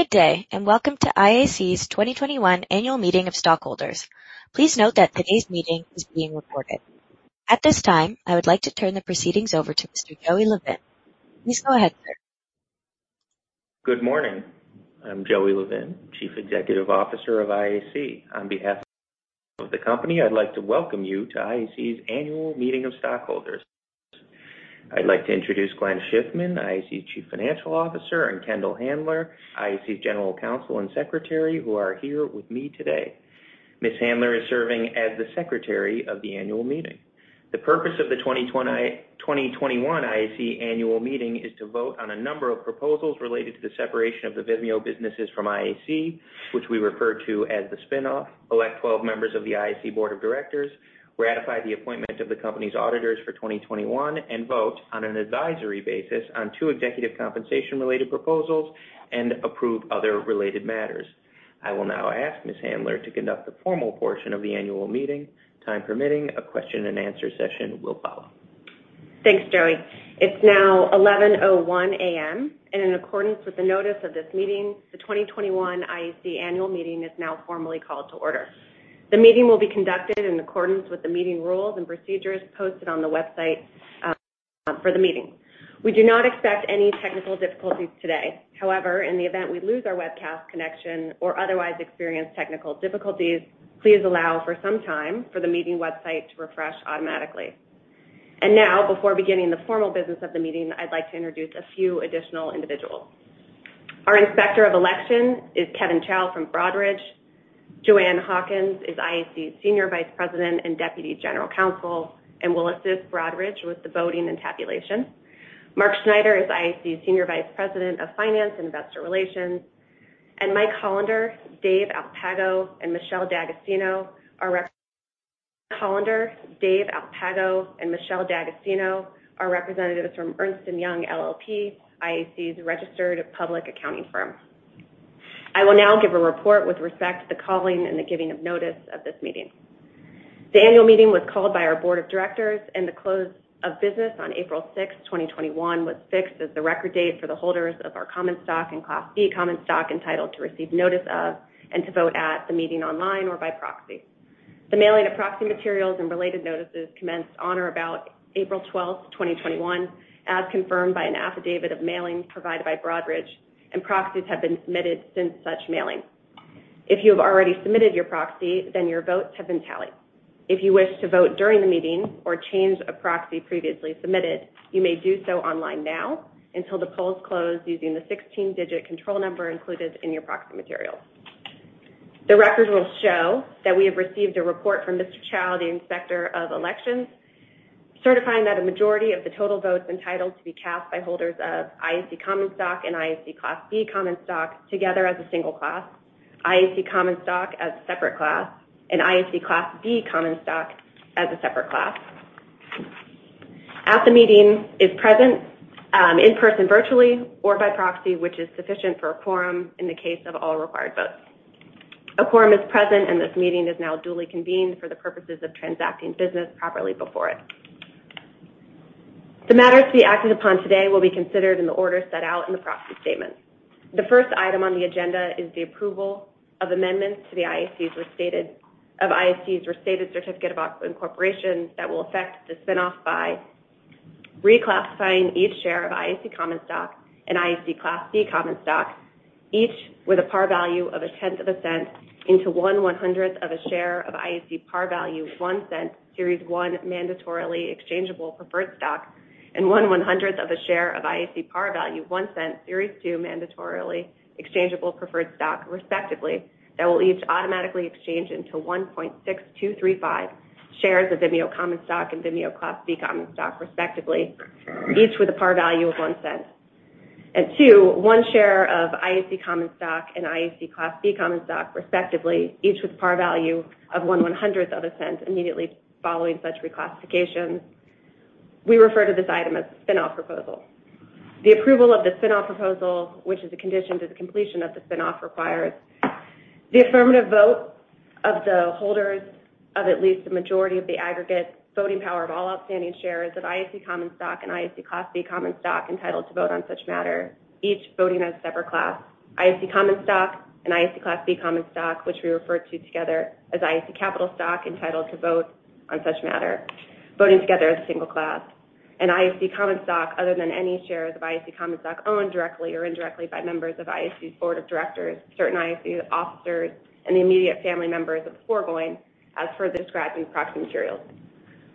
Good day, and welcome to IAC's 2021 Annual Meeting of Stockholders. Please note that today's meeting is being recorded. At this time, I would like to turn the proceedings over to Mr. Joey Levin. Please go ahead, sir. Good morning. I'm Joey Levin, Chief Executive Officer of IAC. On behalf of the company, I'd like to welcome you to IAC's annual meeting of Stockholders. I'd like to introduce Glenn H. Schiffman, IAC Chief Financial Officer, and Kendall Handler, IAC General Counsel and Secretary, who are here with me today. Ms. Handler is serving as the Secretary of the annual meeting. The purpose of the 2021 IAC annual meeting is to vote on a number of proposals related to the separation of the Vimeo businesses from IAC, which we refer to as the spin-off, elect 12 members of the IAC Board of Directors, ratify the appointment of the company's auditors for 2021, and vote on an advisory basis on two executive compensation-related proposals and approve other related matters. I will now ask Ms. Handler to conduct the formal portion of the annual meeting. Time permitting, a question-and-answer session will follow. Thanks, Joey. It's now 11:01 A.M., and in accordance with the notice of this meeting, the 2021 IAC annual meeting is now formally called to order. The meeting will be conducted in accordance with the meeting rules and procedures posted on the website for the meeting. We do not accept any technical difficulties today. However, in the event we lose our webcast connection or otherwise experience technical difficulties, please allow for some time for the meeting website to refresh automatically. Now, before beginning the formal business of the meeting, I'd like to introduce a few additional individuals. Our Inspector of Election is Kevin Chao from Broadridge. Joanne Hawkins is IAC's Senior Vice President and Deputy General Counsel and will assist Broadridge with the voting and tabulation. Mark Schneider is IAC's Senior Vice President of Finance and Investor Relations. Mike Hollander, Dave Alpago, and Michelle D'Agostino are representatives from Ernst & Young LLP, IAC's registered public accounting firm. I will now give a report with respect to the calling and the giving of notice of this meeting. The annual meeting was called by our Board of Directors and the close of business on April 6th, 2021, was fixed as the record date for the holders of our common stock and Class B common stock entitled to receive notice of and to vote at the meeting online or by proxy. The mailing of proxy materials and related notices commenced on or about April 12th, 2021, as confirmed by an affidavit of mailing provided by Broadridge, and proxies have been submitted since such mailing. If you've already submitted your proxy, then your votes have been tallied. If you wish to vote during the meeting or change a proxy previously submitted, you may do so online now until the polls close using the 16-digit control number included in your proxy material. The records will show that we have received a report from Kevin Chao, the Inspector of Elections, certifying that a majority of the total votes entitled to be cast by holders of IAC common stock and IAC Class B common stock together as a single class, IAC common stock as a separate class, and IAC Class B common stock as a separate class. At the meeting is present, in-person, virtually, or by proxy, which is sufficient for a quorum in the case of all required votes. A quorum is present, and this meeting is now duly convened for the purposes of transacting business properly before it. The matters to be acted upon today will be considered in the order set out in the proxy statement. The first item on the agenda is the approval of amendments of IAC's restated certificate of incorporation that will affect the spin-off by reclassifying each share of IAC common stock and IAC Class B common stock, each with a par value of $0.001, into one one-hundredth of a share of IAC par value $0.01 Series 1 mandatorily exchangeable preferred stock and one one-hundredth of a share of IAC par value $0.01 Series 2 mandatorily exchangeable preferred stock respectively, that will each automatically exchange into 1.6235 shares of Vimeo common stock and Vimeo Class B common stock respectively, each with a par value of $0.01. Two, one share of IAC common stock and IAC Class B common stock respectively, each with par value of $0.0001 immediately following such reclassification. We refer to this item spin-off proposal. the approval of spin-off proposal, which is a condition to the completion of the spin-off, requires the affirmative vote of the holders of at least the majority of the aggregate voting power of all outstanding shares of IAC common stock and IAC Class B common stock entitled to vote on such matter, each voting as separate class, IAC common stock and IAC Class B common stock, which we refer to together as IAC capital stock entitled to vote on such matter, voting together as a single class, and IAC common stock other than any shares of IAC common stock owned directly or indirectly by members of IAC's Board of Directors, certain IAC officers, and immediate family members of foregoing as further described in proxy materials.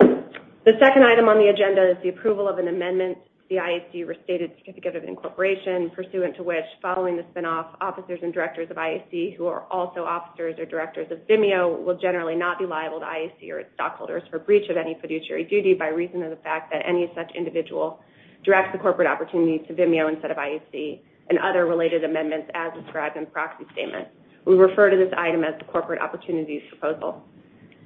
The second item on the agenda is the approval of an amendment to the IAC restated certificate of incorporation, pursuant to which, following the spin-off, officers and directors of IAC who are also officers or directors of Vimeo will generally not be liable to IAC or its stockholders for breach of any fiduciary duty by reason of the fact that any such individual directs a corporate opportunity to Vimeo instead of IAC and other related amendments as described in proxy statement. We refer to this item as the Corporate Opportunities Proposal.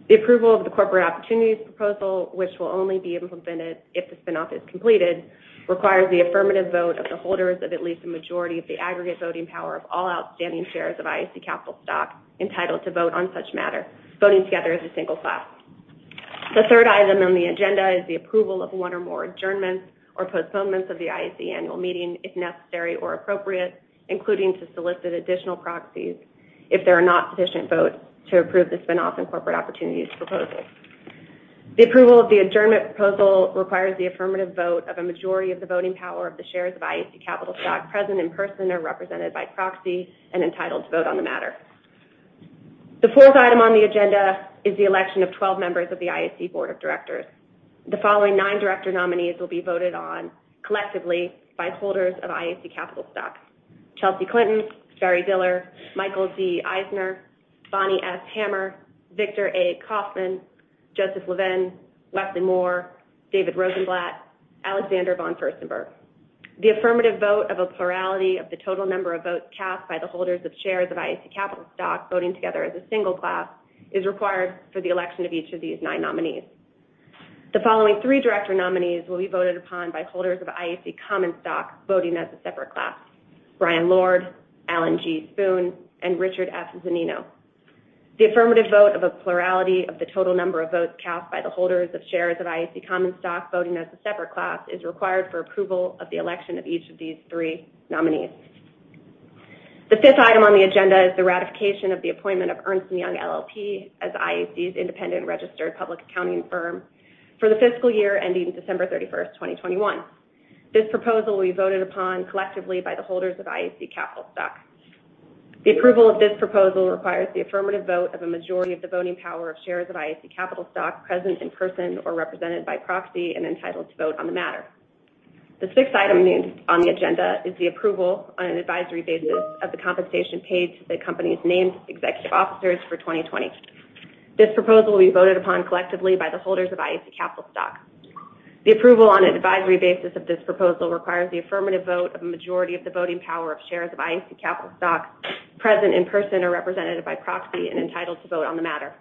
The approval of the Corporate Opportunities Proposal, which will only be implemented if the spin-off is completed, requires the affirmative vote of the holders of at least the majority of the aggregate voting power of all outstanding shares of IAC capital stock entitled to vote on such matter, voting together as a single class. The third item on the agenda is the approval of one or more adjournments or postponements of the IAC annual meeting, if necessary or appropriate, including to solicit additional proxies if there are not sufficient votes to approve the spin-off and Corporate Opportunities Proposal. The approval of the Adjournment Proposal requires the affirmative vote of a majority of the voting power of the shares of IAC capital stock present in person or represented by proxy and entitled to vote on the matter. The fourth item on the agenda is the election of 12 members of the IAC Board of Directors. The following nine director nominees will be voted on collectively by holders of IAC capital stock. Chelsea Clinton, Barry Diller, Michael D. Eisner, Bonnie S. Hammer, Victor A. Kaufman, Joseph Levin, Leslie Moore, David Rosenblatt, Alexander von Furstenberg. The affirmative vote of a plurality of the total number of votes cast by the holders of shares of IAC capital stock voting together as a single class is required for the election of each of these nine nominees. The following three director nominees will be voted upon by holders of IAC common stock voting as a separate class. Bryan Lourd, Alan G. Spoon, and Richard S. Zannino. The affirmative vote of a plurality of the total number of votes cast by the holders of shares of IAC common stock voting as a separate class is required for approval of the election of each of these three nominees. The fifth item on the agenda is the ratification of the appointment of Ernst & Young LLP as IAC's independent registered public accounting firm for the fiscal year ending December 31st, 2021. This proposal will be voted upon collectively by the holders of IAC capital stock. The approval of this proposal requires the affirmative vote of a majority of the voting power of shares of IAC capital stock present in person or represented by proxy and entitled to vote on the matter. The sixth item on the agenda is the approval on an advisory basis of the compensation paid to the company's named executive officers for 2020. This proposal will be voted upon collectively by the holders of IAC capital stock. The approval on an advisory basis of this proposal requires the affirmative vote of a majority of the voting power of shares of IAC capital stock present in person or represented by proxy and entitled to vote on the matter.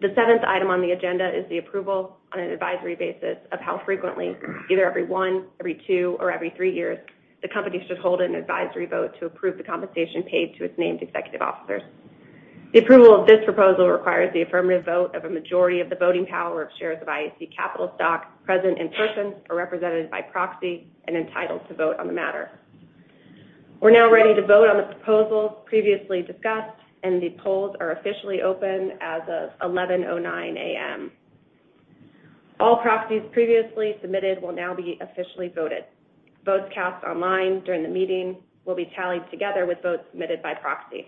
The seventh item on the agenda is the approval on an advisory basis of how frequently, either every one, every two, or every three years, the company should hold an advisory vote to approve the compensation paid to its named executive officers. The approval of this proposal requires the affirmative vote of a majority of the voting power of shares of IAC capital stock present in person or represented by proxy and entitled to vote on the matter. We're now ready to vote on the proposals previously discussed, and the polls are officially open as of 11:09 A.M. All proxies previously submitted will now be officially voted. Votes cast online during the meeting will be tallied together with votes submitted by proxy.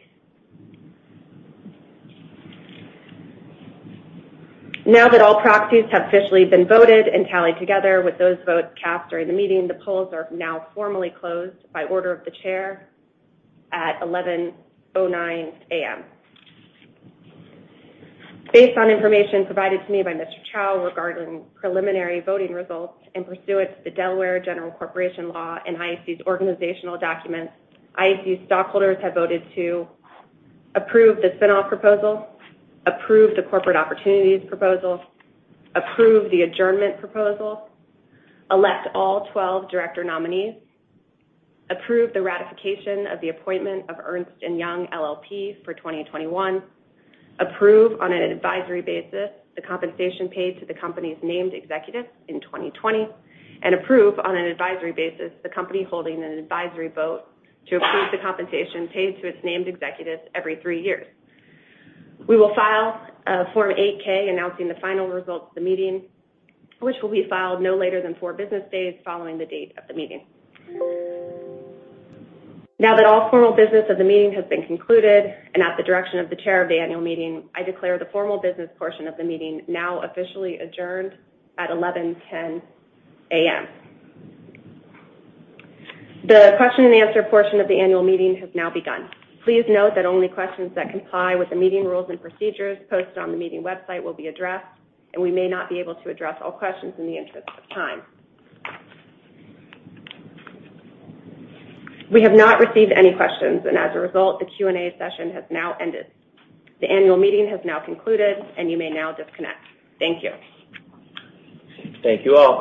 Now that all proxies have officially been voted and tallied together with those votes cast during the meeting, the polls are now formally closed by order of the chair at 11:09 A.M. Based on information provided to me by Mr. Chao regarding preliminary voting results in pursuant to the Delaware General Corporation Law and IAC's organizational documents, IAC stockholders have voted to approve spin-off proposal, approve the corporate opportunities proposal, approve the adjournment proposal, elect all 12 director nominees, approve the ratification of the appointment of Ernst & Young LLP for 2021, approve on an advisory basis the compensation paid to the company's named executives in 2020, and approve on an advisory basis the company holding an advisory vote to approve the compensation paid to its named executives every three years. We will file a Form 8-K announcing the final results of the meeting, which will be filed no later than four business days following the date of the meeting. Now that all formal business of the meeting has been concluded and at the direction of the chair of the annual meeting, I declare the formal business portion of the meeting now officially adjourned at 11:10 A.M. The question-and-answer portion of the annual meeting has now begun. Please note that only questions that comply with the meeting rules and procedures posted on the meeting website will be addressed, and we may not be able to address all questions in the interest of time. We have not received any questions, and as a result, the Q&A session has now ended. The annual meeting has now concluded, and you may now disconnect. Thank you. Thank you all.